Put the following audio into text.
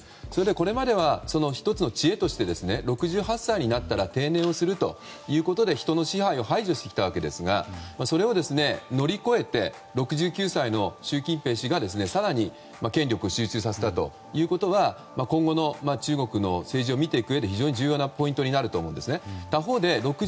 これまでは１つの知恵として６８歳になったら定年をするということで人の支配を排除してきたわけですがそれを、乗り越えて６９歳の習近平氏が更に権力を集中させたことは今後の政治を見ていくところで非常に重要なポイントとなるんですね。